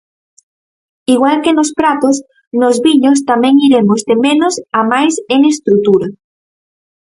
Igual que nos pratos, nos viños tamén iremos de menos a máis en estrutura.